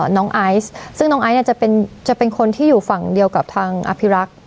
น้องไอซ์ซึ่งน้องไอซ์เนี่ยจะเป็นจะเป็นคนที่อยู่ฝั่งเดียวกับทางอภิรักษ์